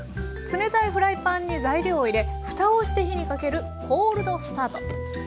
冷たいフライパンに材料を入れふたをして火にかけるコールドスタート。